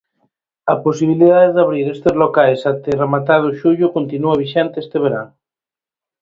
A posibilidade de abrir estes locais até rematado xullo continúa vixente este verán.